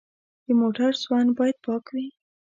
د موټر سوند باید پاک وي.